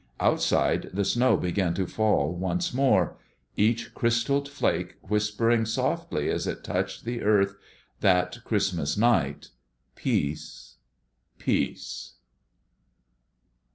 Outside, the snow began to fall once more, each crystaled flake whispering softly as it touched the earth that Christmas night, "Peace peace!"